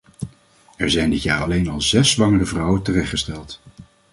Er zijn dit jaar alleen al zes zwangere vrouwen terechtgesteld.